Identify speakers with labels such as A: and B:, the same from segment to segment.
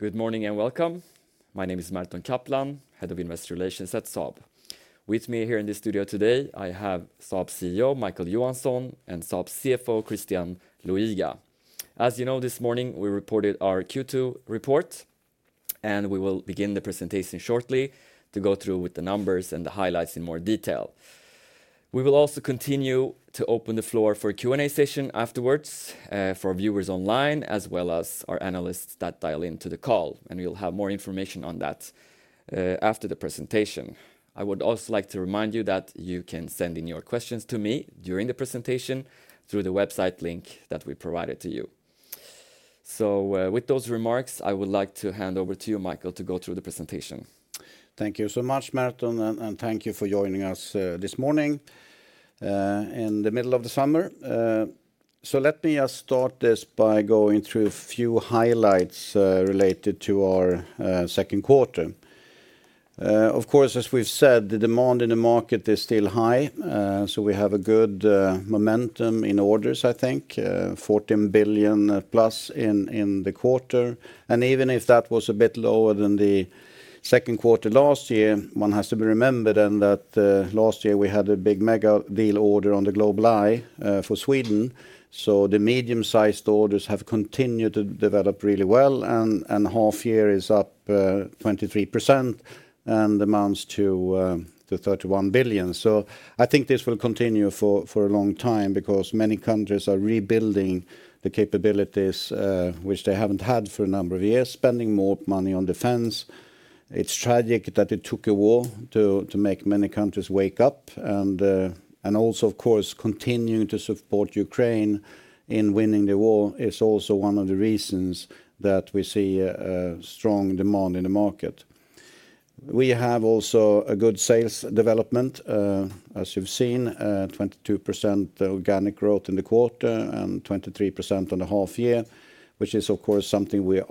A: Good morning, and welcome. My name is Merton Kaplan, Head of Investor Relations at Saab. With me here in the studio today, I have Saab CEO, Micael Johansson, and Saab CFO, Christian Luiga. As you know, this morning, we reported our Q2 report. We will begin the presentation shortly to go through with the numbers and the highlights in more detail. We will also continue to open the floor for a Q&A session afterwards for viewers online, as well as our analysts that dial into the call. We'll have more information on that after the presentation. I would also like to remind you that you can send in your questions to me during the presentation through the website link that we provided to you. With those remarks, I would like to hand over to you, Micael, to go through the presentation.
B: Thank you so much, Merton, and thank you for joining us this morning in the middle of the summer. Let me just start this by going through a few highlights related to our Q2. Of course, as we've said, the demand in the market is still high, so we have a good momentum in orders, I think, 14 billion+ in the quarter. Even if that was a bit lower than the Q2 last year, one has to be remembered then that last year we had a big mega deal order on the GlobalEye for Sweden. The medium-sized orders have continued to develop really well, and half year is up 23% and amounts to 31 billion. I think this will continue for a long time because many countries are rebuilding the capabilities, which they haven't had for a number of years, spending more money on defense. It's tragic that it took a war to make many countries wake up, and also, of course, continuing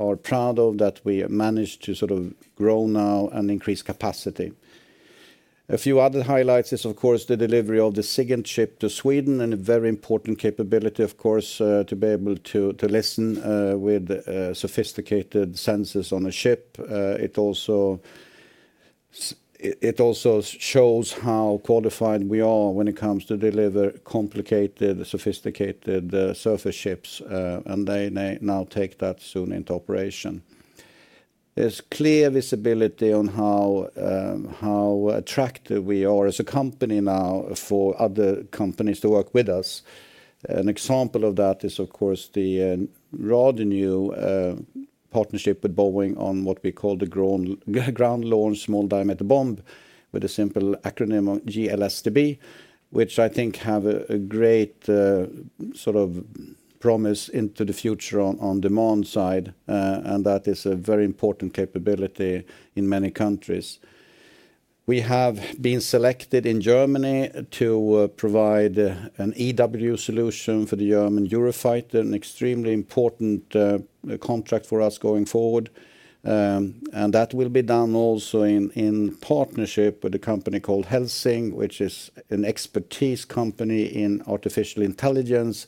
B: partnership with Boeing on what we call the Ground-Launched Small Diameter Bomb, with a simple acronym of GLSDB, which I think have a great sort of promise into the future on demand side, and that is a very important capability in many countries. We have been selected in Germany to provide an EW solution for the German Eurofighter, an extremely important contract for us going forward. And that will be done also in partnership with a company called Helsing, which is an expertise company in artificial intelligence.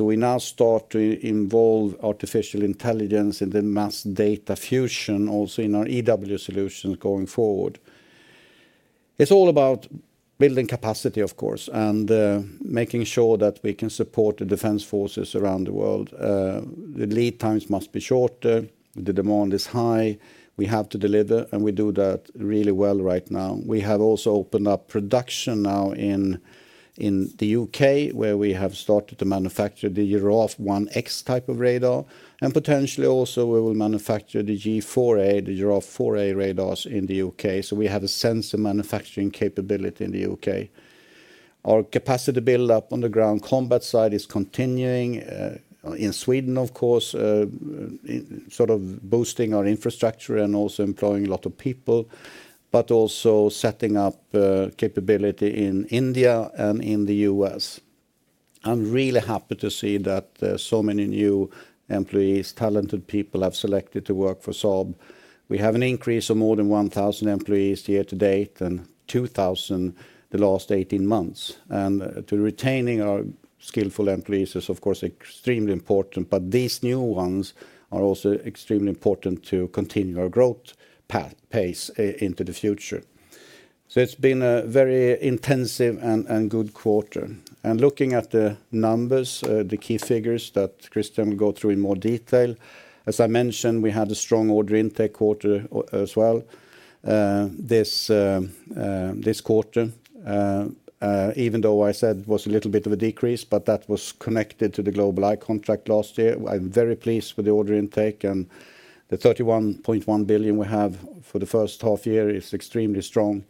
B: We now start to involve artificial intelligence in the mass data fusion, also in our EW solutions going forward. It's all about building capacity, of course, and making sure that we can support the defense forces around the world. The lead times must be shorter. The demand is high. We have to deliver, and we do that really well right now. We have also opened up production now in the U.K., where we have started to manufacture the Giraffe 1X type of radar, and potentially also we will manufacture the G4A, the Giraffe 4A radars in the U.K. We have a sensor manufacturing capability in the U.K. Our capacity build-up on the ground combat side is continuing in Sweden, of course, sort of boosting our infrastructure and also employing a lot of people, but also setting up capability in India and in the U.S. I'm really happy to see that so many new employees, talented people, have selected to work for Saab. We have an increase of more than 1,000 employees year to date and 2,000 the last 18 months. To retaining our skillful employees is, of course, extremely important, but these new ones are also extremely important to continue our growth pace into the future. It's been a very intensive and good quarter. Looking at the numbers, the key figures that Christian will go through in more detail, as I mentioned, we had a strong order intake quarter as well. This quarter, even though I said it was a little bit of a decrease, but that was connected to the GlobalEye contract last year. I'm very pleased with the order intake, and the 31.1 billion we have for the first half year is extremely strong.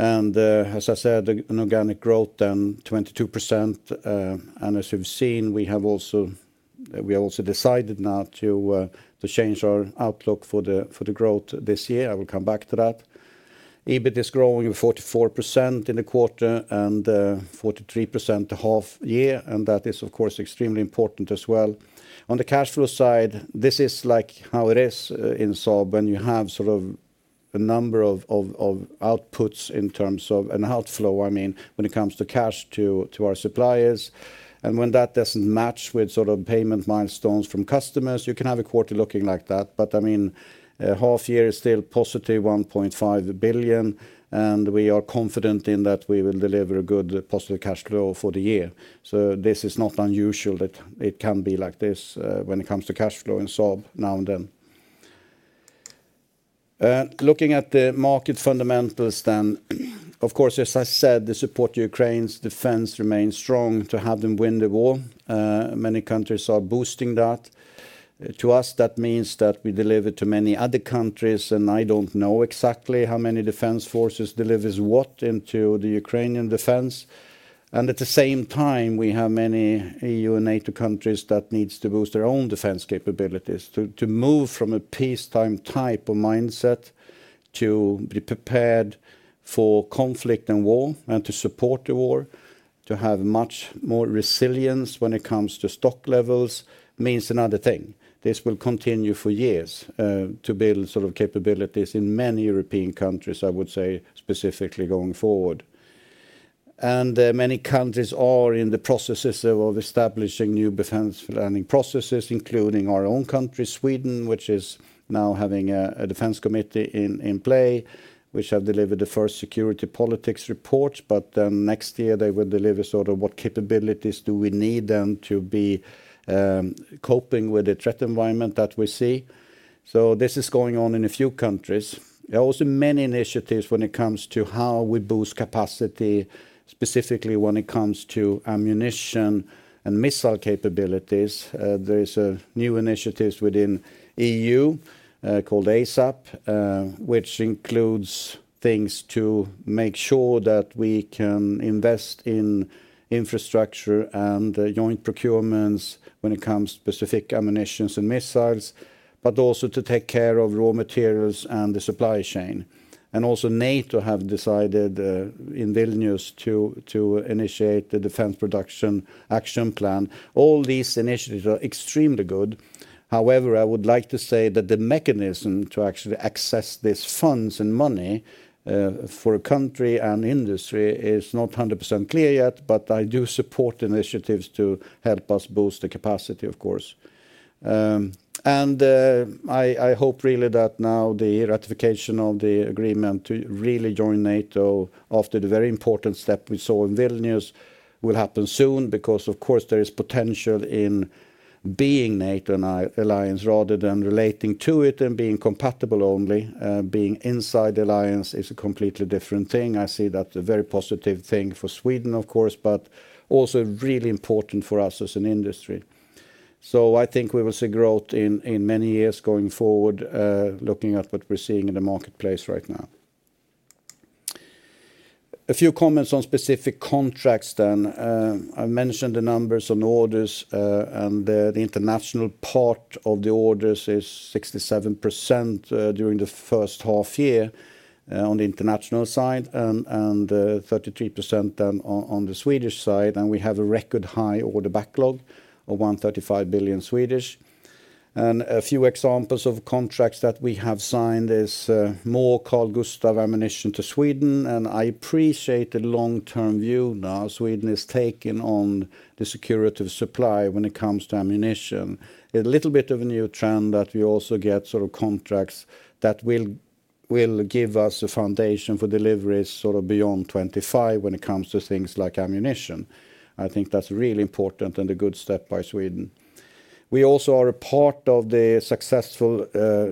B: As I said, an organic growth, 22%, and as you've seen, we have also decided now to change our outlook for the growth this year. I will come back to that. EBIT is growing 44% in the quarter and 43% the half year, and that is, of course, extremely important as well. On the cash flow side, this is like how it is in Saab, when you have sort of a number of outputs in terms of an outflow, I mean, when it comes to cash to our suppliers. When that doesn't match with sort of payment milestones from customers, you can have a quarter looking like that. I mean, half year is still positive 1.5 billion, and we are confident in that we will deliver a good positive cash flow for the year. This is not unusual, that it can be like this, when it comes to cash flow and so on now and then. Looking at the market fundamentals, of course, as I said, the support to Ukraine's defense remains strong to have them win the war. Many countries are boosting that. To us, that means that we deliver to many other countries, and I don't know exactly how many defense forces delivers what into the Ukrainian defense. At the same time, we have many EU and NATO countries that needs to boost their own defense capabilities to move from a peacetime type of mindset to be prepared for conflict and war, and to support the war. To have much more resilience when it comes to stock levels means another thing. This will continue for years to build sort of capabilities in many European countries, I would say, specifically going forward. Many countries are in the processes of establishing new defense planning processes, including our own country, Sweden, which is now having a defense committee in play, which have delivered the first security politics report. Next year, they will deliver sort of what capabilities do we need them to be coping with the threat environment that we see. This is going on in a few countries. There are also many initiatives when it comes to how we boost capacity, specifically when it comes to ammunition and missile capabilities. There is a new initiatives within EU, called ASAP, which includes things to make sure that we can invest in infrastructure and joint procurements when it comes to specific ammunitions and missiles, but also to take care of raw materials and the supply chain. Also, NATO have decided, in Vilnius to initiate the Defence Production Action Plan. All these initiatives are extremely good. However, I would like to say that the mechanism to actually access these funds and money, for a country and industry is not 100% clear yet, but I do support initiatives to help us boost the capacity, of course. I hope really that now the ratification of the agreement to really join NATO after the very important step we saw in Vilnius will happen soon, because, of course, there is potential in being NATO and alliance rather than relating to it and being compatible only. Being inside the alliance is a completely different thing. I see that a very positive thing for Sweden, of course, but also really important for us as an industry. I think we will see growth in many years going forward, looking at what we're seeing in the marketplace right now. A few comments on specific contracts then. I mentioned the numbers on orders, the international part of the orders is 67% during the first half year on the international side, and 33% on the Swedish side. We have a record high order backlog of 135 billion. A few examples of contracts that we have signed is more Carl-Gustaf ammunition to Sweden, and I appreciate the long-term view now Sweden is taking on the security of supply when it comes to ammunition. A little bit of a new trend that we also get sort of contracts that will give us a foundation for deliveries sort of beyond 2025 when it comes to things like ammunition. I think that's really important and a good step by Sweden. We also are a part of the successful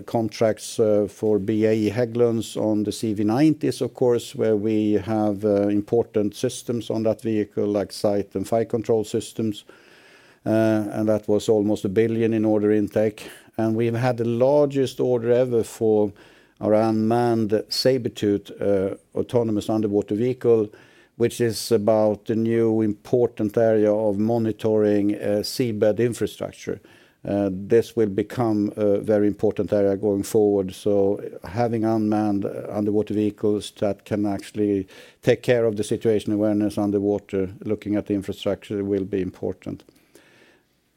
B: contracts for BAE Systems Hägglunds on the CV90s, of course, where we have important systems on that vehicle, like sight and fire control systems. That was almost 1 billion in order intake. We've had the largest order ever for our unmanned Sabertooth autonomous underwater vehicle, which is about the new important area of monitoring seabed infrastructure. This will become a very important area going forward. Having unmanned underwater vehicles that can actually take care of the situation awareness underwater, looking at the infrastructure, will be important.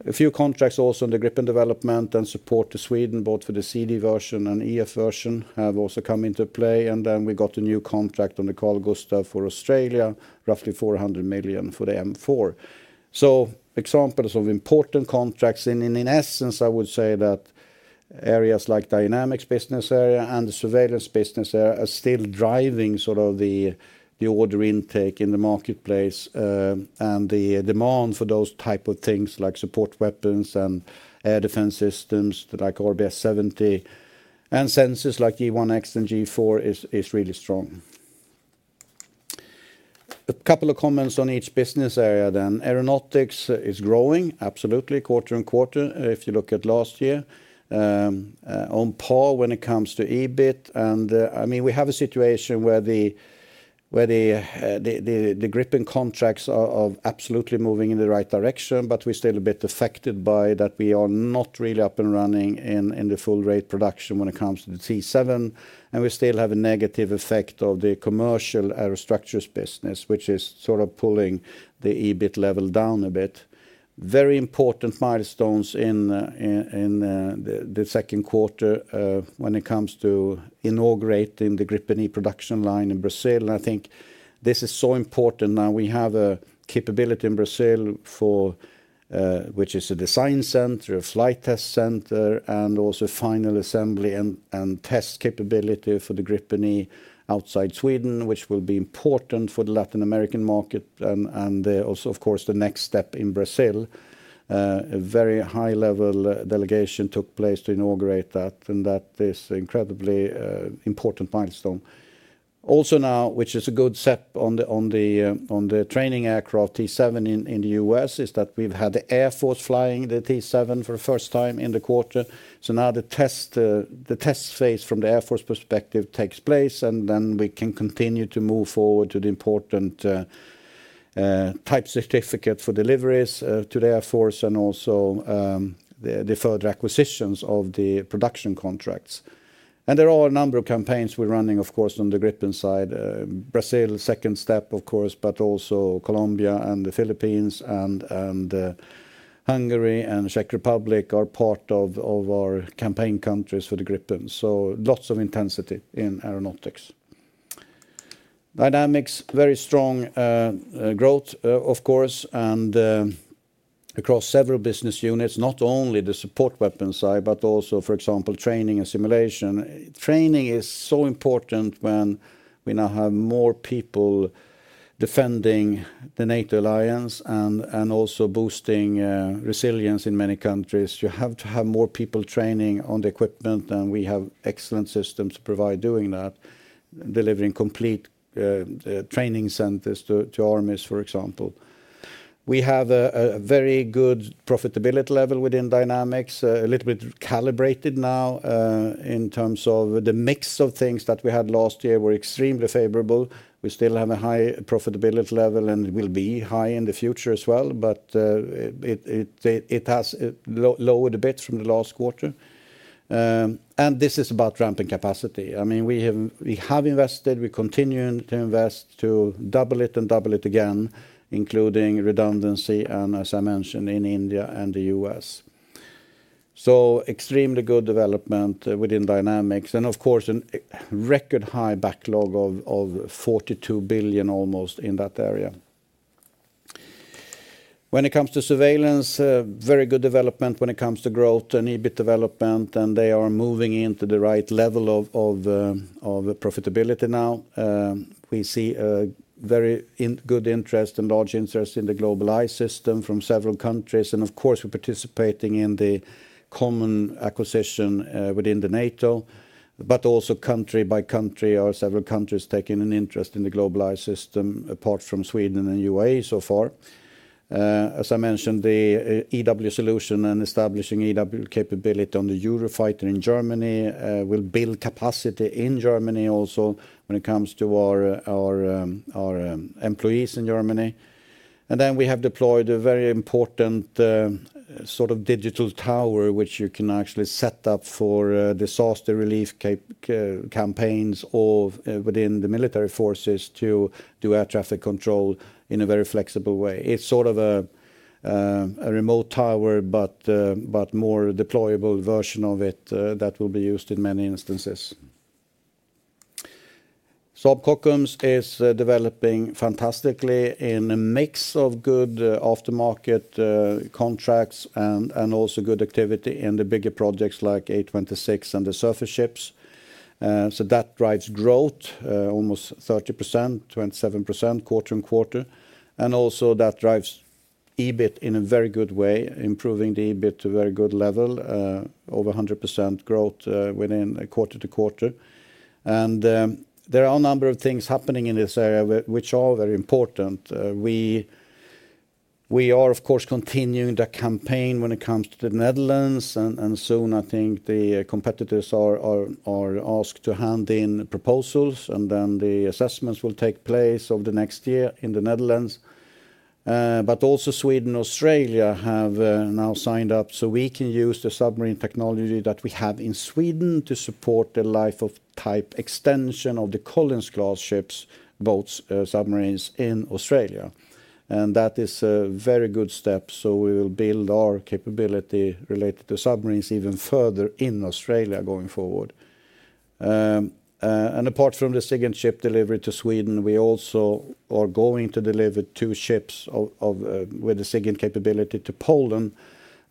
B: A few contracts also on the Gripen development and support to Sweden, both for the CD version and EF version, have also come into play. We got a new contract on the Carl-Gustaf for Australia, roughly 400 million for the M4. Examples of important contracts, in essence, I would say that areas like Dynamics business area and the Surveillance business area are still driving sort of the order intake in the marketplace. The demand for those type of things, like support weapons and air defense systems, like RBS 70, and sensors like 1X and G4, is really strong. A couple of comments on each business area. Aeronautics is growing, absolutely, quarter and quarter, if you look at last year. On par when it comes to EBIT. I mean, we have a situation where the Gripen contracts are of absolutely moving in the right direction, but we're still a bit affected by that we are not really up and running in the full rate production when it comes to the T-7, and we still have a negative effect of the commercial aerostructures business, which is sort of pulling the EBIT level down a bit. Very important milestones in the Q2 when it of campaigns we're running, of course, on the Gripen side. Brazil, second step, of course, but also Colombia and the Philippines and Hungary and Czech Republic are part of our campaign countries for the Gripen. Lots of intensity in Aeronautics. Dynamics, very strong growth, of course, and across several business units, not only the support weapons side, but also, for example, training and simulation. Training is so important when we now have more people defending the NATO alliance and also boosting resilience in many countries. You have to have more people training on the equipment, and we have excellent systems to provide doing that, delivering complete training centers to armies, for example. We have a very good profitability level within Dynamics. A little bit calibrated now in terms of the mix of things that we had last year were extremely favorable. We still have a high profitability level, and it will be high in the future as well, but it has lowered a bit from the last quarter. This is about ramping capacity. I mean, we have invested, we continue to invest to double it and double it again, including redundancy and, as I mentioned, in India and the U.S. Extremely good development within Dynamics, and of course, a record high backlog of 42 billion almost in that area. When it comes to Surveillance, very good development when it comes to growth and EBIT development, and they are moving into the right level of profitability now. We see a very good interest and large interest in the GlobalEye system from several countries, and of course, we're participating in the common acquisition within the NATO, but also country by country or several countries taking an interest in the GlobalEye system, apart from Sweden and UAE so far. As I mentioned, the EW solution and establishing EW capability on the Eurofighter in Germany will build capacity in Germany also when it comes to our employees in Germany. We have deployed a very important sort of Digital Tower, which you can actually set up for disaster relief campaigns or within the military forces to do air traffic control in a very flexible way. It's sort of a Remote Tower, but more deployable version of it that will be used in many instances. Saab Kockums is developing fantastically in a mix of good aftermarket contracts and also good activity in the bigger projects like A26 and the surface ships. That drives growth, almost 30%, 27% quarter-on-quarter, and also that drives EBIT in a very good way, improving the EBIT to a very good level, over 100% growth within a quarter-to-quarter. There are a number of things happening in this area which are very important. We are, of course, continuing the campaign when it comes to the Netherlands, and soon, I think, the competitors are asked to hand in proposals, and then the assessments will take place over the next year in the Netherlands. Also Sweden, Australia have now signed up, so we can use the submarine technology that we have in Sweden to support the life-of-type extension of the Collins-class ships, boats, submarines in Australia. That is a very good step, so we will build our capability related to submarines even further in Australia going forward. Apart from the Sigyn ship delivery to Sweden, we also are going to deliver two ships of, with the Sigyn capability to Poland,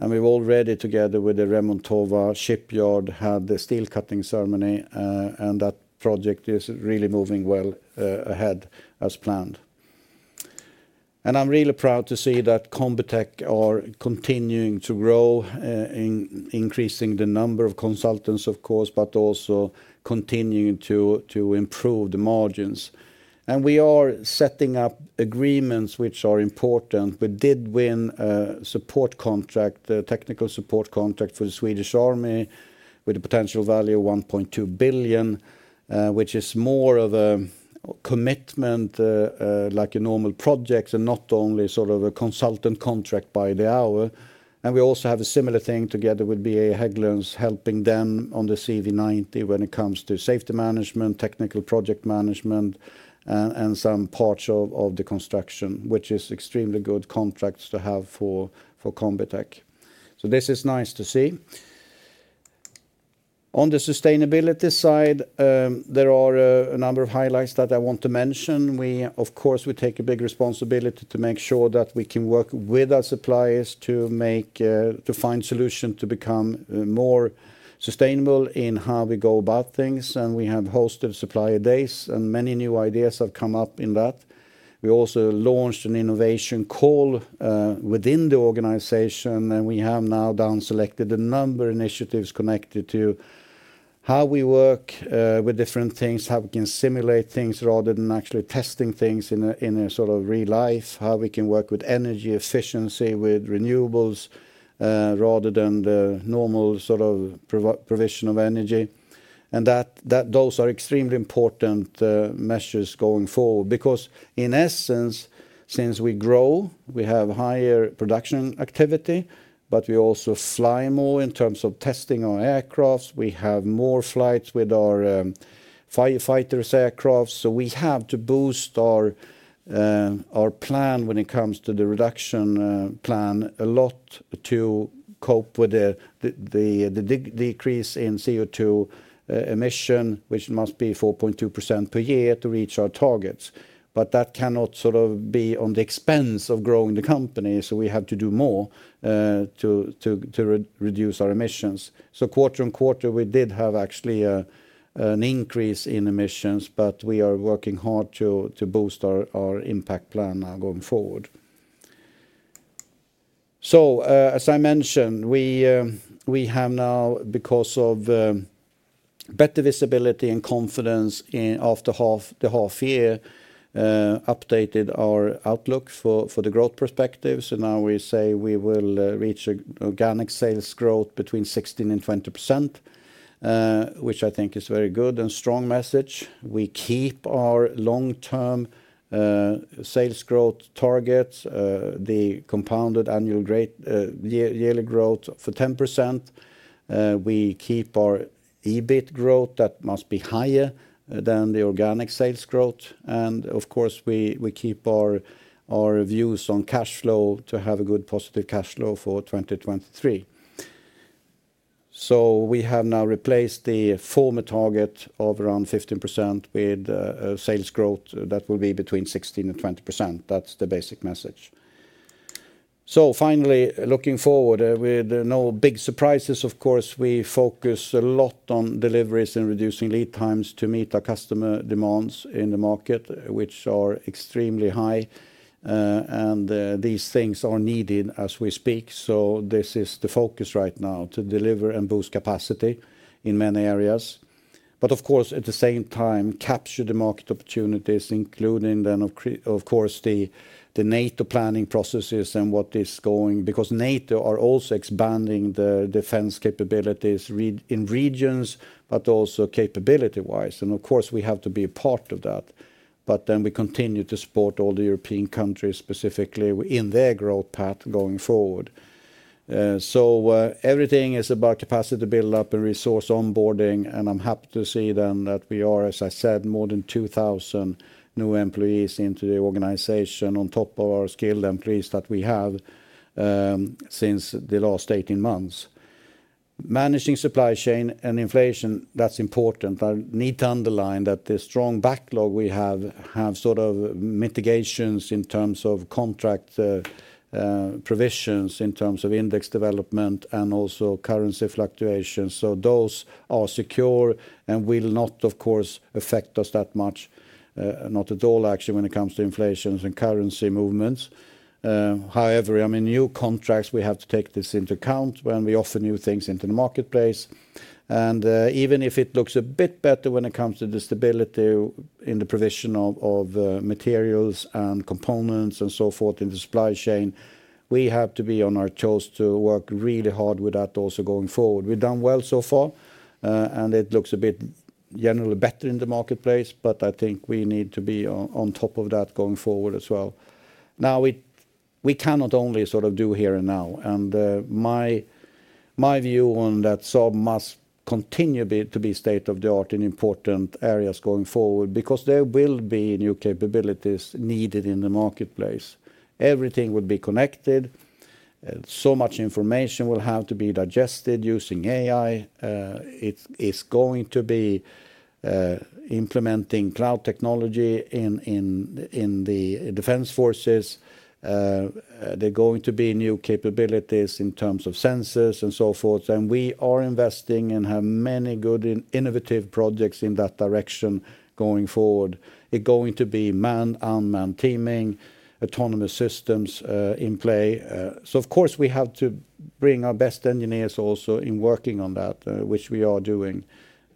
B: and we've already, together with the Remontowa Shipyard, had the steel cutting ceremony, and that project is really moving well ahead as planned. I'm really proud to see that Combitech are continuing to grow, increasing the number of consultants, of course, but also continuing to improve the margins. We are setting up agreements which are important. We did win a support contract, technical support contract for the Swedish Army with a potential value of 1.2 billion, which is more of a commitment, like a normal project, and not only sort of a consultant contract by the hour. We also have a similar thing together with BAE Systems Hägglunds, helping them on the CV90 when it comes to safety management, technical project management, and some parts of the construction, which is extremely good contracts to have for Combitech. This is nice to see. On the sustainability side, there are a number of highlights that I want to mention. We, of course, take a big responsibility to make sure that we can work with our suppliers to make to find solution to become more sustainable in how we go about things. We have hosted supplier days, and many new ideas have come up in that. We also launched an innovation call within the organization, and we have now down selected a number of initiatives connected to how we work with different things, how we can simulate things rather than actually testing things in a, in a sort of real life, how we can work with energy efficiency, with renewables, rather than the normal sort of provision of energy. Those are extremely important measures going forward. Because in essence, since we grow, we have higher production activity, but we also fly more in terms of testing our aircrafts. We have more flights with our firefighters aircrafts. We have to boost our plan when it comes to the reduction plan a lot to cope with the decrease in CO2 emission, which must be 4.2% per year to reach our targets. That cannot sort of be on the expense of growing the company, so we have to do more to reduce our emissions. Quarter-on-quarter, we did have actually an increase in emissions, but we are working hard to boost our impact plan now going forward. As I mentioned, we have now, because of better visibility and confidence after the half year, updated our outlook for the growth perspective. Now we say we will reach a organic sales growth between 16% and 20%, which I think is a very good and strong message. We keep our long-term sales growth targets, the compounded annual grade yearly growth for 10%. We keep our EBIT growth. That must be higher than the organic sales growth. Of course, we keep our views on cash flow to have a good positive cash flow for 2023. We have now replaced the former target of around 15% with a sales growth that will be between 16% and 20%. That's the basic message. Finally, looking forward, with no big surprises, of course, we focus a lot on deliveries and reducing lead times to meet our customer demands in the market, which are extremely high. And these things are needed as we speak. This is the focus right now, to deliver and boost capacity in many areas. Of course, at the same time, capture the market opportunities, including then, of course, the NATO planning processes and what is going... Because NATO are also expanding the defense capabilities in regions, but also capability-wise. Of course, we have to be a part of that. Then we continue to support all the European countries, specifically in their growth path going forward. Everything is about capacity build-up and resource onboarding, and I'm happy to see then that we are, as I said, more than 2,000 new employees into the organization on top of our skilled employees that we have, since the last 18 months. Managing supply chain and inflation, that's important. I need to underline that the strong backlog we have sort of mitigations in terms of contract provisions, in terms of index development, and also currency fluctuations. Those are secure and will not, of course, affect us that much, not at all, actually, when it comes to inflation and currency movements. However, I mean, new contracts, we have to take this into account when we offer new things into the marketplace. Even if it looks a bit better when it comes to the stability in the provision of materials and components and so forth in the supply chain, we have to be on our toes to work really hard with that also going forward. We've done well so far, it looks a bit generally better in the marketplace, I think we need to be on top of that going forward as well. We cannot only sort of do here and now, my view on that Saab must continue to be state-of-the-art in important areas going forward, there will be new capabilities needed in the marketplace. Everything will be connected, so much information will have to be digested using AI. It is going to be implementing cloud technology in the defense forces. There are going to be new capabilities in terms of sensors and so forth, we are investing and have many good innovative projects in that direction going forward. They're going to be manned-unmanned teaming, autonomous systems in play. Of course, we have to bring our best engineers also in working on that, which we are doing.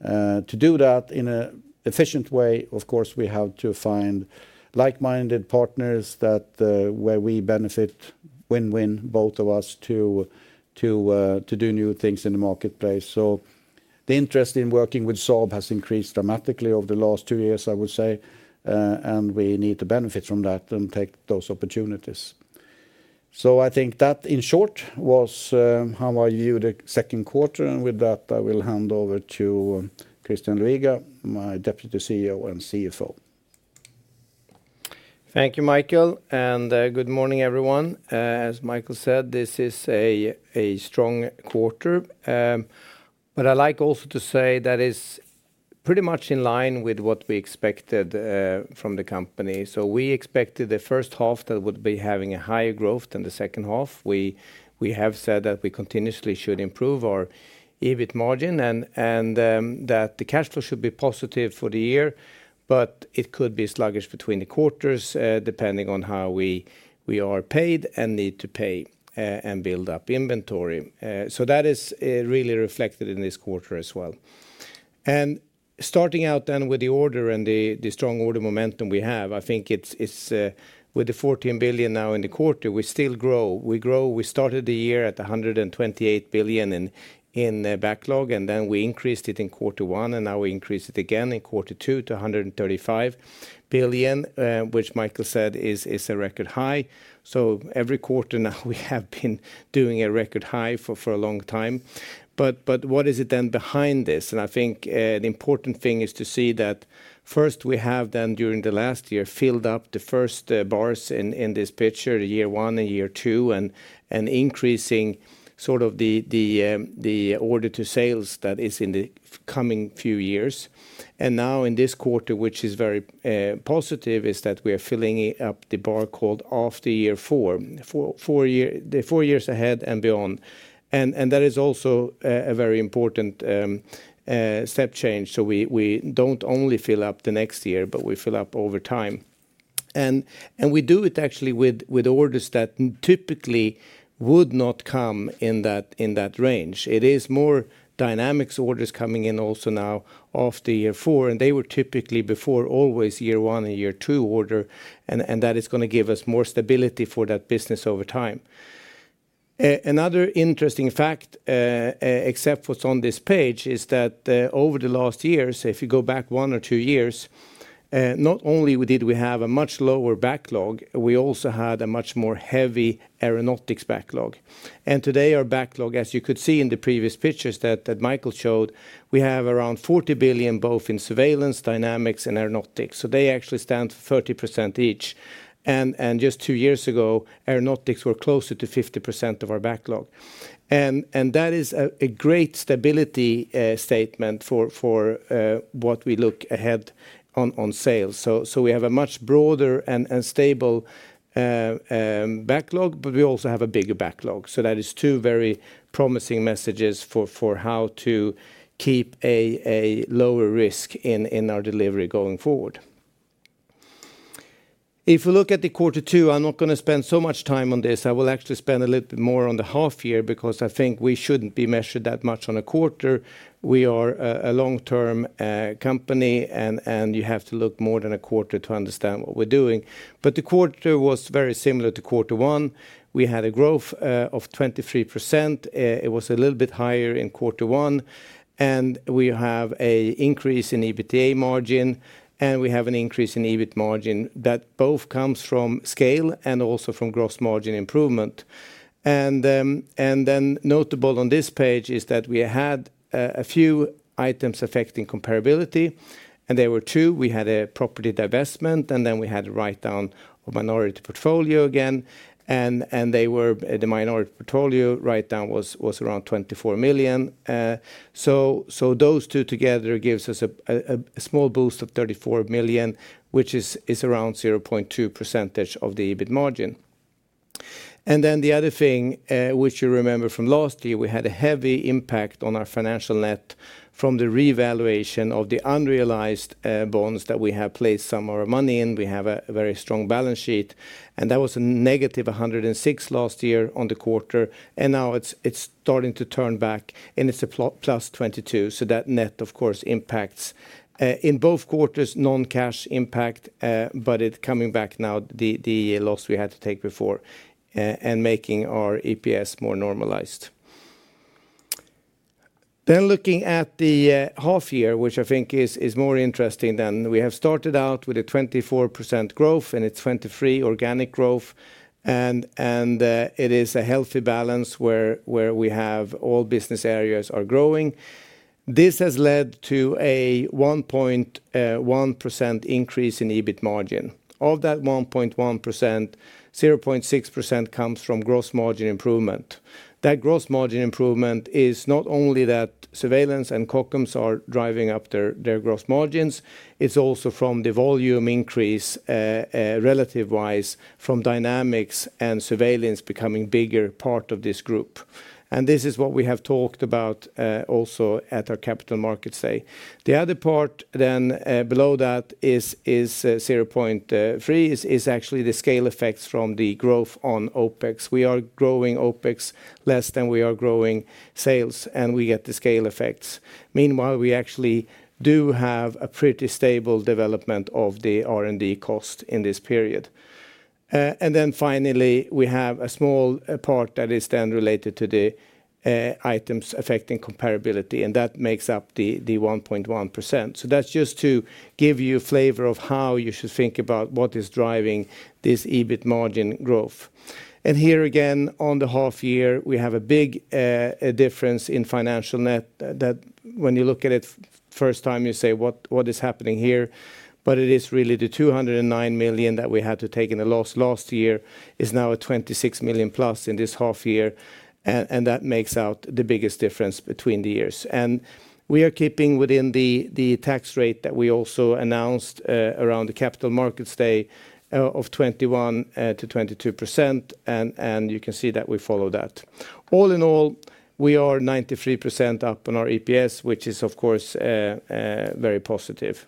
B: To do that in a efficient way, of course, we have to find like-minded partners that, where we benefit, win-win, both of us to do new things in the marketplace. The interest in working with Saab has increased dramatically over the last two years, I would say, and we need to benefit from that and take those opportunities. I think that, in short, was, how I view the Q2. With that, I will hand over to Christian Luiga, my Deputy CEO and CFO.
C: Thank you, Micael, and good morning, everyone. As Micael said, this is a strong quarter. I like also to say that is pretty much in line with what we expected from the company. We expected the first half that would be having a higher growth than the second half. We have said that we continuously should improve our EBIT margin and that the cash flow should be positive for the year, but it could be sluggish between the quarters, depending on how we are paid and need to pay and build up inventory. That is really reflected in this quarter as well. Starting out then with the order and the strong order momentum we have, I think it's with the 14 billion now in the quarter, we still grow. We started the year at 128 billion in the backlog. Then we increased it in quarter one. Now we increase it again in quarter two to 135 billion, which Micael said is a record high. Every quarter now, we have been doing a record high for a long time. What is it then behind this? I think the important thing is to see that first, we have then, during the last year, filled up the first bars in this picture, the year one and year two, increasing sort of the order to sales that is in the coming few years. Now in this quarter, which is very positive, is that we are filling up the bar called after year four, the four years ahead and beyond. That is also a very important step change. So we don't only fill up the next year, but we fill up over time. We do it actually with orders that typically would not come in that, in that range. It is more Dynamics orders coming in also now after year 4, and they were typically before always year one and year two order. That is going to give us more stability for that business over time. Another interesting fact, except what's on this page, is that over the last years, if you go back one or two years, not only we have a much lower backlog, we also had a much more heavy Aeronautics backlog. Today, our backlog, as you could see in the previous pictures that Micael showed, we have around 40 billion, both in Surveillance, Dynamics and Aeronautics. They actually stand for 30% each. Just two years ago, Aeronautics were closer to 50% of our backlog. That is a great stability statement for what we look ahead on sales. We have a much broader and stable backlog, but we also have a bigger backlog. That is two very promising messages for how to keep a lower risk in our delivery going forward. If you look at the Q2, I'm not going to spend so much time on this. I will actually spend a little bit more on the half year because I think we shouldn't be measured that much on a quarter. We are a long-term company, and you have to look more than a quarter to understand what we're doing. The quarter was very similar to Q1. We had a growth of 23%. It was a little bit higher in Q1, and we have a increase in EBITDA margin, and we have an increase in EBIT margin. That both comes from scale and also from gross margin improvement. Notable on this page is that we had a few items affecting comparability, and there were 2. We had a property divestment, and then we had a write-down of minority portfolio again. They were the minority portfolio write-down was around 24 million. Those 2 together gives us a small boost of 34 million, which is around 0.2% of the EBIT margin. The other thing, which you remember from last year, we had a heavy impact on our financial net from the revaluation of the unrealized bonds that we have placed some of our money in. We have a very strong balance sheet. That was a negative 106 last year on the quarter, and now it's starting to turn back and it's a plus 22. That net, of course, impacts in both quarters, non-cash impact, but it coming back now, the loss we had to take before, and making our EPS more normalized. Looking at the half year, which I think is more interesting than we have started out with a 24% growth, and it's 23% organic growth. It is a healthy balance where we have all business areas are growing. This has led to a 1.1% increase in EBIT margin. Of that 1.1%, 0.6% comes from gross margin improvement. That gross margin improvement is not only that Surveillance and Kockums are driving up their gross margins, it's also from the volume increase, relative wise, from Dynamics and Surveillance becoming bigger part of this group. This is what we have talked about also at our capital markets day. The other part then below that is 0.3, is actually the scale effects from the growth on OpEx. We are growing OpEx less than we are growing sales, and we get the scale effects. Meanwhile, we actually do have a pretty stable development of the R&D cost in this period. Then finally, we have a small part that is then related to the items affecting comparability, and that makes up the 1.1%. That's just to give you a flavor of how you should think about what is driving this EBIT margin growth. Here again, on the half year, we have a big difference in financial net that when you look at it first time, you say, "What, what is happening here?" It is really the 209 million that we had to take in a loss last year, is now a 26 million plus in this half year, and that makes out the biggest difference between the years. We are keeping within the tax rate that we also announced around the capital markets day of 21%-22%, and you can see that we follow that. All in all, we are 93% up on our EPS, which is, of course, very positive.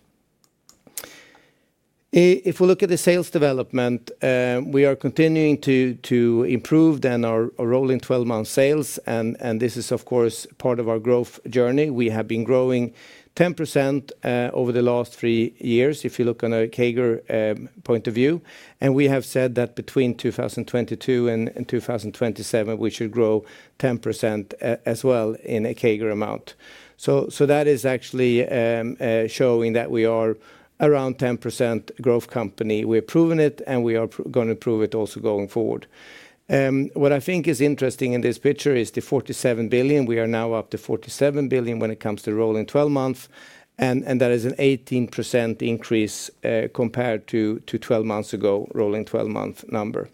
C: If we look at the sales development, we are continuing to improve then our rolling 12-month sales, and this is, of course, part of our growth journey. We have been growing 10% over the last 3 years, if you look on a CAGR point of view. We have said that between 2022 and 2027, we should grow 10% as well in a CAGR amount. That is actually showing that we are around 10% growth company. We've proven it, and we are gonna prove it also going forward. What I think is interesting in this picture is the 47 billion. We are now up to 47 billion when it comes to rolling 12 months, that is an 18% increase compared to 12 months ago, rolling 12-month number.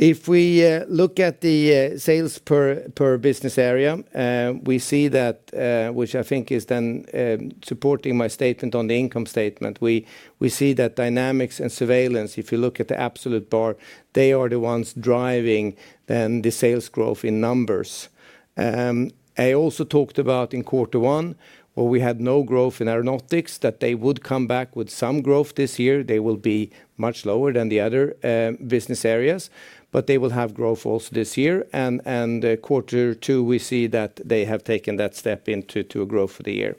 C: If we look at the sales per business area, we see that which I think is then supporting my statement on the income statement. We see that Dynamics and Surveillance, if you look at the absolute bar, they are the ones driving then the sales growth in numbers. I also talked about in quarter one, where we had no growth in Aeronautics, that they would come back with some growth this year. They will be much lower than the other business areas, they will have growth also this year. quarter two, we see that they have taken that step into a growth for the year.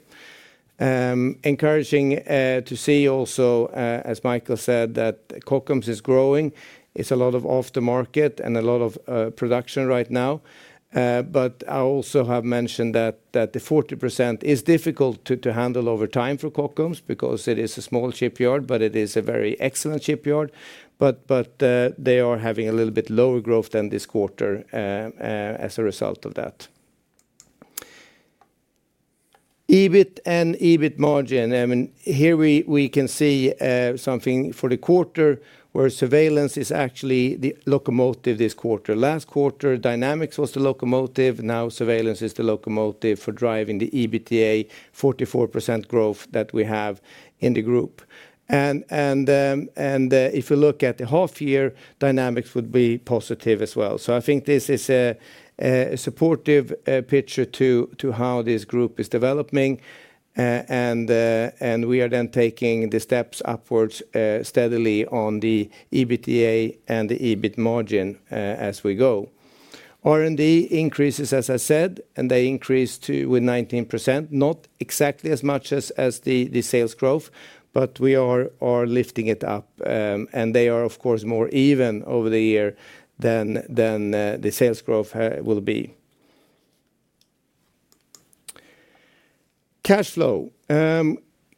C: Encouraging to see also as Micael said, that Kockums is growing. It's a lot of off the market and a lot of production right now. I also have mentioned that the 40% is difficult to handle over time for Kockums because it is a small shipyard, but it is a very excellent shipyard. They are having a little bit lower growth than this quarter as a result of that. EBIT and EBIT margin. I mean, here we can see something for the quarter, where Surveillance is actually the locomotive this quarter. Last quarter, Dynamics was the locomotive, now Surveillance is the locomotive for driving the EBITDA 44% growth that we have in the group. If you look at the half year, Dynamics would be positive as well. I think this is a supportive picture to how this group is developing. We are then taking the steps upwards steadily on the EBITDA and the EBIT margin as we go. R&D increases, as I said, and they increase with 19%, not exactly as much as the sales growth, but we are lifting it up. And they are, of course, more even over the year than the sales growth will be. Cash flow.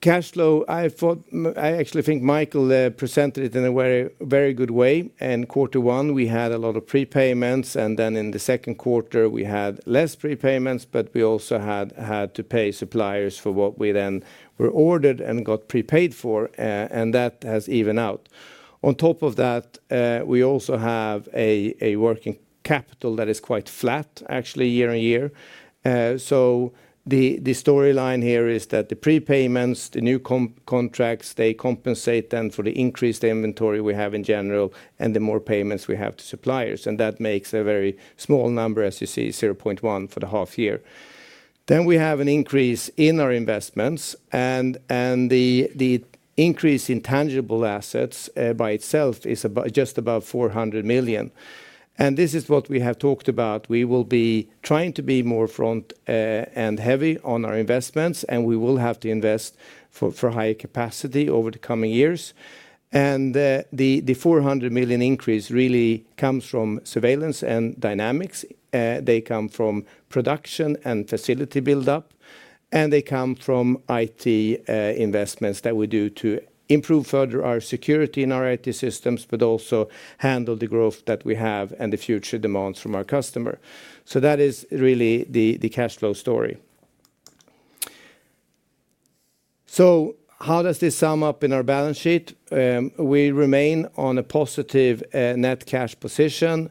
C: Cash flow, I thought... I actually think Micael presented it in a very, very good way. In quarter one, we had a lot of prepayments, in the Q2, we had less prepayments, but we also had to pay suppliers for what we then were ordered and got prepaid for, that has evened out. On top of that, we also have a working capital that is quite flat, actually, year-on-year. The storyline here is that the prepayments, the new contracts, they compensate then for the increased inventory we have in general, and the more payments we have to suppliers, and that makes a very small number, as you see, 0.1 for the half year. We have an increase in our investments, and the increase in tangible assets by itself is about, just about 400 million. This is what we have talked about. We will be trying to be more front and heavy on our investments, and we will have to invest for higher capacity over the coming years. The 400 million increase really comes from Surveillance and Dynamics. They come from production and facility build-up, and they come from IT investments that we do to improve further our security in our IT systems, but also handle the growth that we have and the future demands from our customer. That is really the cash flow story. How does this sum up in our balance sheet? We remain on a positive net cash position.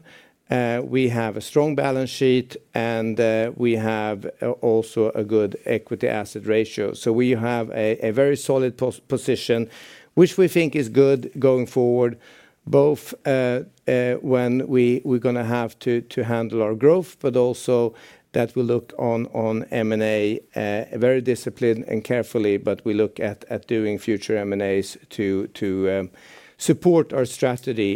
C: We have a strong balance sheet, and we have also a good equity asset ratio. We have a very solid position, which we think is good going forward, both when we're gonna have to handle our growth, but also that we look on M&A very disciplined and carefully. We look at doing future M&As to support our strategy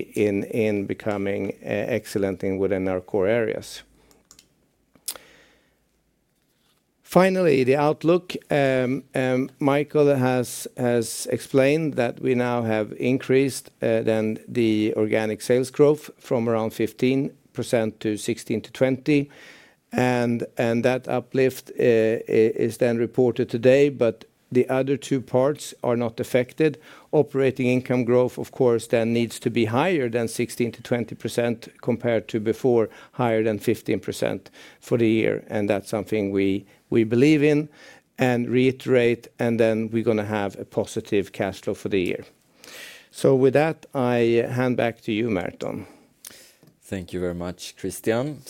C: in becoming excellent in within our core areas. Finally, the outlook, Micael has explained that we now have increased than the organic sales growth from around 15% to 16%-20%, and that uplift is then reported today, but the other two parts are not affected. Operating income growth, of course, then needs to be higher than 16%-20% compared to before, higher than 15% for the year, and that's something we believe in and reiterate, and then we're going to have a positive cash flow for the year. With that, I hand back to you, Merton.
A: Thank you very much, Christian.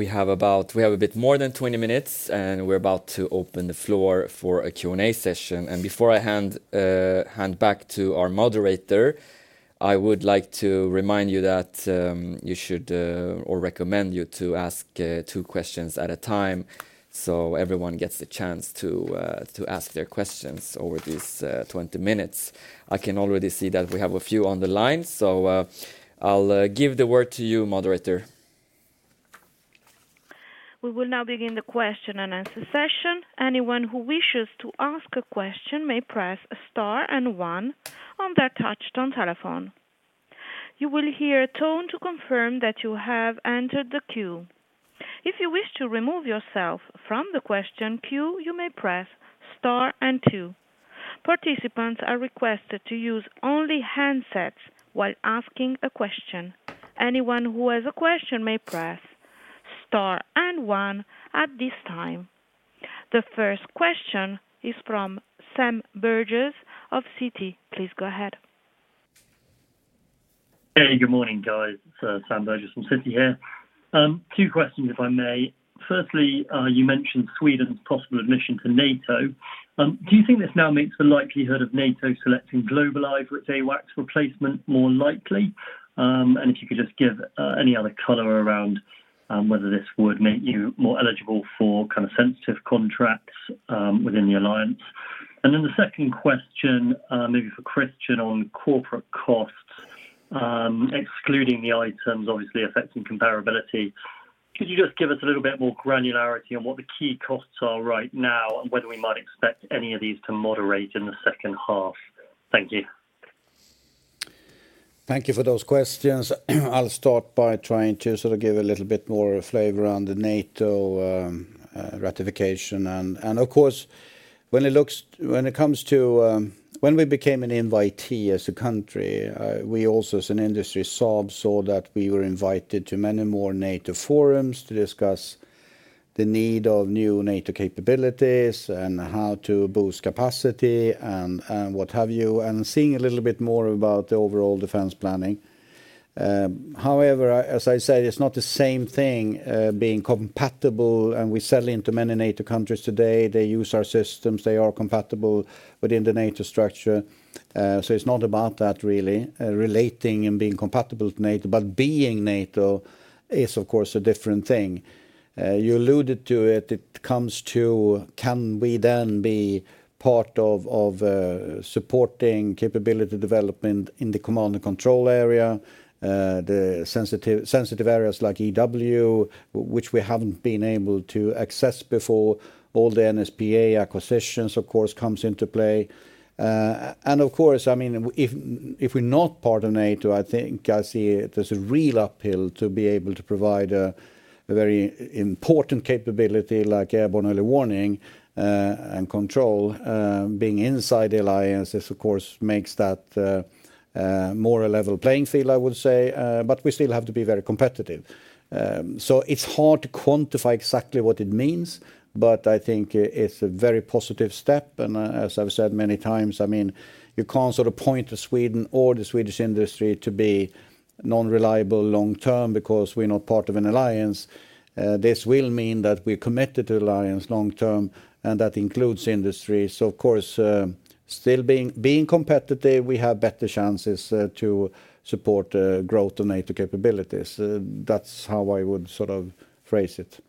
A: We have a bit more than 20 minutes, and we're about to open the floor for a Q&A session. Before I hand back to our moderator, I would like to remind you that you should or recommend you to ask 2 questions at a time, so everyone gets the chance to ask their questions over these 20 minutes. I can already see that we have a few on the line, I'll give the word to you, moderator.
D: We will now begin the question and answer session. Anyone who wishes to ask a question may press star and 1 on their touch tone telephone. You will hear a tone to confirm that you have entered the queue. If you wish to remove yourself from the question queue, you may press star and 2. Participants are requested to use only handsets while asking a question. Anyone who has a question may press star and 1 at this time. The first question is from Sam Burgess of Citi. Please go ahead.
E: Hey, good morning, guys. It's Sam Burgess from Citi here. Two questions, if I may. Firstly, you mentioned Sweden's possible admission to NATO. Do you think this now makes the likelihood of NATO selecting GlobalEye for its AWACS replacement more likely? If you could just give any other color around whether this would make you more eligible for kind of sensitive contracts within the alliance. Then the second question, maybe for Christian on corporate costs, excluding the items obviously affecting comparability, could you just give us a little bit more granularity on what the key costs are right now and whether we might expect any of these to moderate in the second half? Thank you.
B: Thank you for those questions. I'll start by trying to sort of give a little bit more flavor on the NATO ratification. Of course, when it comes to, when we became an invitee as a country, we also, as an industry, Saab, saw that we were invited to many more NATO forums to discuss the need of new NATO capabilities and how to boost capacity and what have you, and seeing a little bit more about the overall defense planning. However, as I said, it's not the same thing, being compatible, and we sell into many NATO countries today. They use our systems. They are compatible within the NATO structure. It's not about that really, relating and being compatible with NATO, but being NATO is, of course, a different thing. You alluded to it. It comes to, can we then be part of supporting capability development in the command and control area, the sensitive areas like EW, which we haven't been able to access before. All the NSPA acquisitions, of course, comes into play. Of course, I mean, if we're not part of NATO, I think I see there's a real uphill to be able to provide a very important capability like airborne early warning and control. Being inside the alliance, this of course, makes that more a level playing field, I would say, but we still have to be very competitive. It's hard to quantify exactly what it means, but I think it's a very positive step. As I've said many times, I mean, you can't sort of point to Sweden or the Swedish industry to be non-reliable long term because we're not part of an alliance. This will mean that we're committed to alliance long term, and that includes industry. Of course, still being competitive, we have better chances to support growth to NATO capabilities. That's how I would sort of phrase it.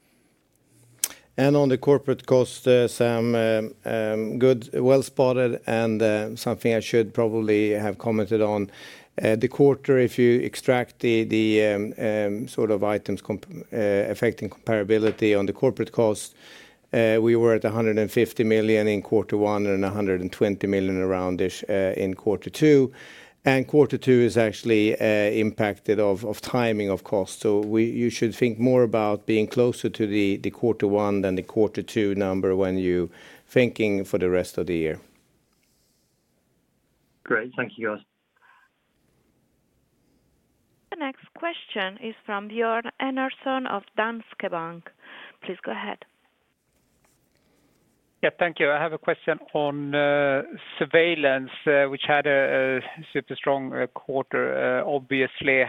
A: On the corporate cost, Sam, good, well spotted, and something I should probably have commented on. The quarter, if you extract the sort of items affecting comparability on the corporate costs, we were at 150 million in quarter one and 120 million aroundish in quarter two. Quarter two is actually impacted of timing, of course. You should think more about being closer to the quarter one than the quarter two number when you thinking for the rest of the year.
E: Great. Thank you, guys.
D: The next question is from Björn Enarsson of Danske Bank. Please go ahead.
F: Yeah, thank you. I have a question on Surveillance, which had a super strong quarter, obviously.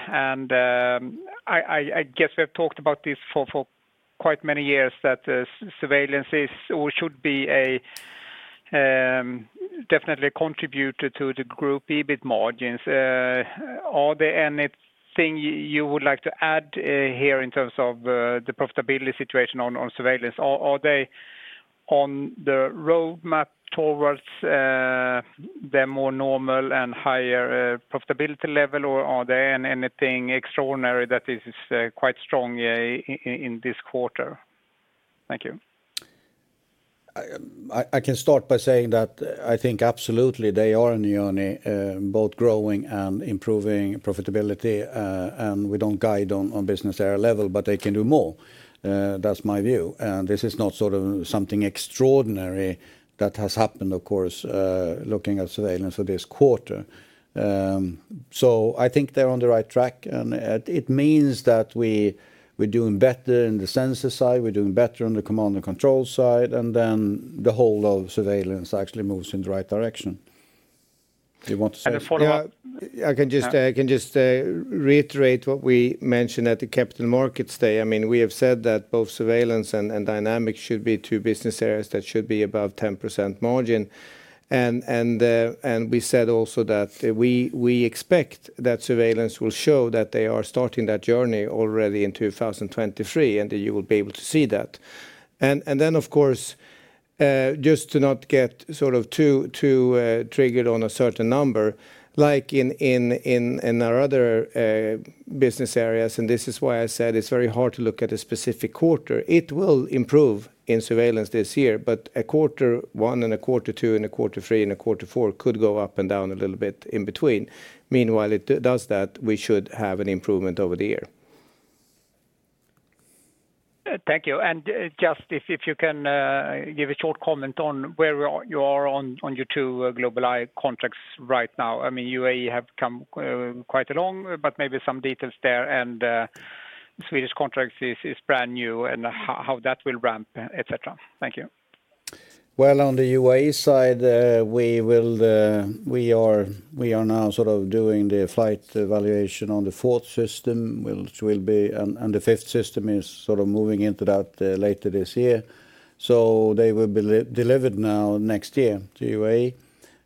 F: I guess we have talked about this for quite many years, that Surveillance is or should be a definitely a contributor to the group, EBIT margins. Are there anything you would like to add here in terms of the profitability situation on Surveillance? Are they-... on the roadmap towards the more normal and higher profitability level, or are there anything extraordinary that is quite strong in this quarter? Thank you.
B: I can start by saying that I think absolutely they are on a journey, both growing and improving profitability. We don't guide on business area level, but they can do more. That's my view. This is not sort of something extraordinary that has happened, of course, looking at Surveillance for this quarter. I think they're on the right track, and it means that we're doing better in the sensor side, we're doing better on the command and control side, and then the whole of Surveillance actually moves in the right direction. Do you want to say?
A: A follow-up-
C: Yeah, I can just.
A: Yeah
C: I can just reiterate what we mentioned at the Capital Markets Day. I mean, we have said that both Surveillance and Dynamics should be two business areas that should be above 10% margin. We said also that we expect that Surveillance will show that they are starting that journey already in 2023, and you will be able to see that. Then, of course, just to not get sort of too triggered on a certain number, like in our other business areas, and this is why I said it's very hard to look at a specific quarter. It will improve in Surveillance this year, but a quarter one and a quarter two and a quarter three and a quarter four could go up and down a little bit in between. Meanwhile, it does that, we should have an improvement over the year.
F: Thank you. Just if you can give a short comment on where you are on your two GlobalEye contracts right now? I mean, UAE have come quite along, but maybe some details there, Swedish contracts is brand new and how that will ramp, et cetera. Thank you.
B: Well, on the UAE side, we are now sort of doing the flight evaluation on the 4th system. The 5th system is sort of moving into that later this year. They will be delivered now next year to UAE,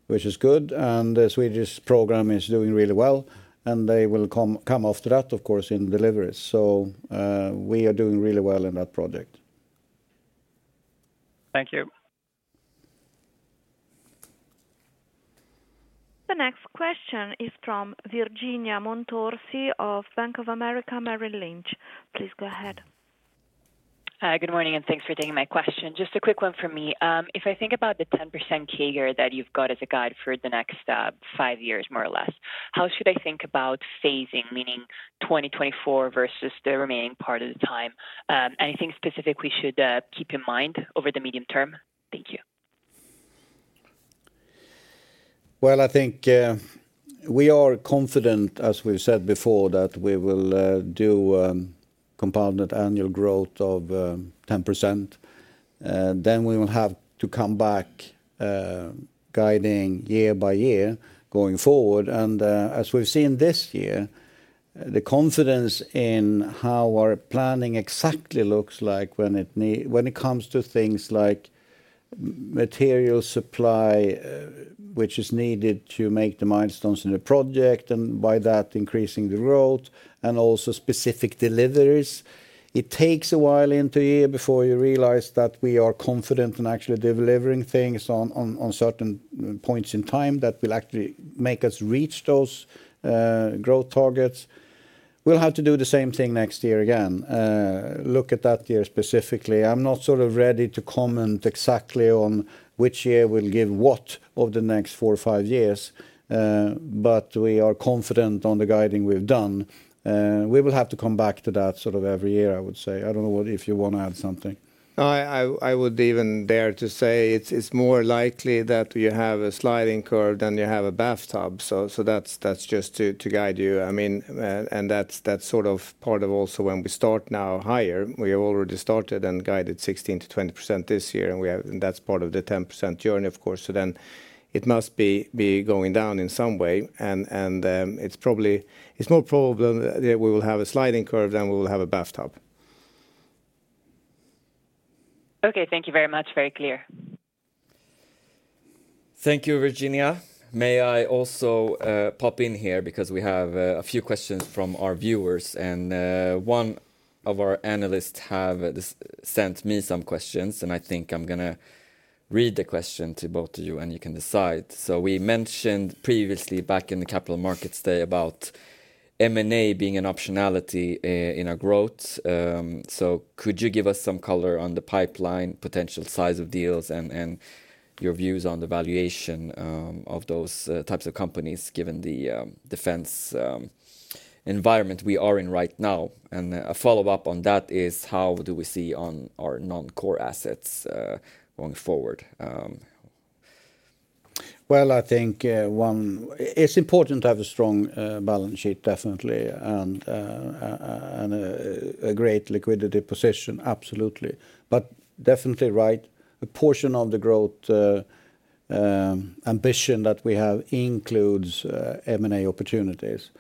B: which is good, and the Swedish program is doing really well, and they will come after that, of course, in deliveries. We are doing really well in that project.
F: Thank you.
D: The next question is from Virginia Montorsi of Bank of America Merrill Lynch. Please go ahead.
G: Good morning, and thanks for taking my question. Just a quick one from me. If I think about the 10% CAGR that you've got as a guide for the next 5 years, more or less, how should I think about phasing, meaning 2024 versus the remaining part of the time? Anything specific we should keep in mind over the medium term? Thank you.
B: Well, I think, we are confident, as we've said before, that we will do compounded annual growth of 10%. We will have to come back, guiding year by year, going forward. As we've seen this year, the confidence in how our planning exactly looks like when it comes to things like material supply, which is needed to make the milestones in the project, and by that, increasing the growth and also specific deliveries. It takes a while into year before you realize that we are confident in actually delivering things on certain points in time that will actually make us reach those growth targets. We'll have to do the same thing next year again, look at that year specifically. I'm not sort of ready to comment exactly on which year will give what over the next four or five years, but we are confident on the guiding we've done. We will have to come back to that sort of every year, I would say. I don't know if you want to add something.
C: I would even dare to say it's more likely that you have a sliding curve than you have a bathtub. That's just to guide you. I mean, and that's sort of part of also when we start now higher. We have already started and guided 16%-20% this year, and that's part of the 10% journey, of course. It must be going down in some way, and it's more probable that we will have a sliding curve than we will have a bathtub.
G: Okay, thank you very much. Very clear.
A: Thank you, Virginia. May I also pop in here? Because we have a few questions from our viewers, and one of our analysts have sent me some questions, and I think I'm gonna read the question to both of you, and you can decide. We mentioned previously back in the Capital Markets Day about M&A being an optionality in our growth. Could you give us some color on the pipeline, potential size of deals, and your views on the valuation of those types of companies, given the defense environment we are in right now? A follow-up on that is: How do we see on our non-core assets going forward?
B: Well, I think, it's important to have a strong balance sheet, definitely, and a great liquidity position, absolutely. Definitely right, a portion of the growth ambition that we have includes M&A opportunities.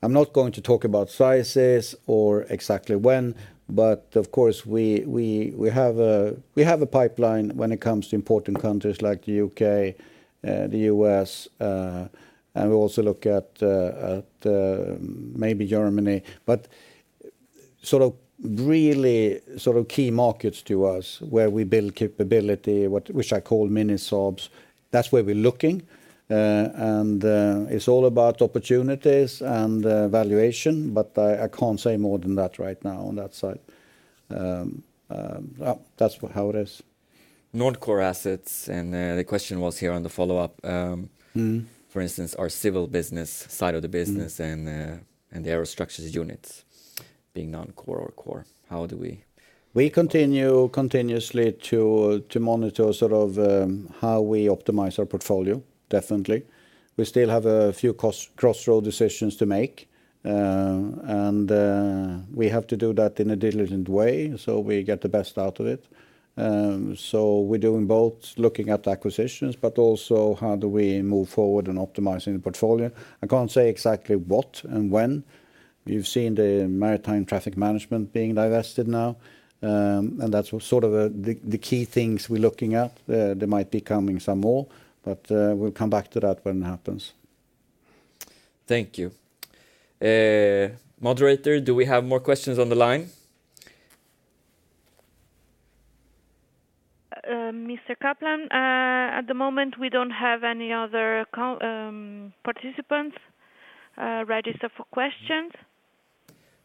B: I'm not going to talk about sizes or exactly when, but of course, we have a pipeline when it comes to important countries like the U.K., the U.S., and we also look at maybe Germany. Sort of really, sort of key markets to us, where we build capability, which I call mini subs, that's where we're looking. And it's all about opportunities and valuation, but I can't say more than that right now on that side. That's how it is.
A: Non-core assets, the question was here on the follow-up.
B: Mm-hmm...
A: for instance, our civil business, side of the business.
B: Mm...
A: and the aerostructures units being non-core or core. How do we?
B: We continue to monitor sort of how we optimize our portfolio, definitely. We still have a few crossroad decisions to make, and we have to do that in a diligent way, so we get the best out of it. We're doing both, looking at acquisitions, but also how do we move forward in optimizing the portfolio? I can't say exactly what and when. You've seen the Maritime Traffic Management being divested now, and that's sort of the key things we're looking at. There might be coming some more, but we'll come back to that when it happens.
A: Thank you. moderator, do we have more questions on the line?
D: Mr. Kaplan, at the moment, we don't have any other call participants registered for questions.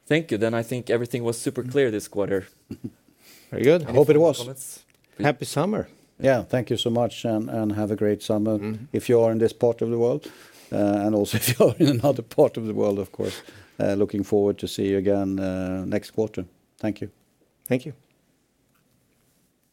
A: Thank you. I think everything was super clear this quarter.
B: Very good. I hope it was.
A: Comments.
B: Happy summer.
C: Thank you so much, and have a great summer.
B: Mm...
C: if you are in this part of the world, and also if you are in another part of the world, of course. Looking forward to see you again, next quarter. Thank you.
A: Thank you.